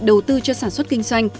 đầu tư cho sản xuất kinh doanh